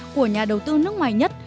của nhà đầu tư nước ngoài nhất